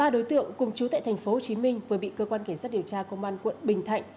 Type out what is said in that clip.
ba đối tượng cùng chú tại tp hcm vừa bị cơ quan cảnh sát điều tra công an quận bình thạnh